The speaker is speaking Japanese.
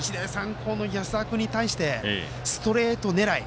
高の安田君に対してストレート狙い。